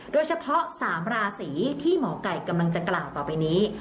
โดยเฉพาะ๓ราศีที่หมอไก่กำลังจะกล่าวต่อไปนี้